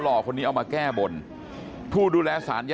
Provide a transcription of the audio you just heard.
สวัสดีครับคุณผู้ชาย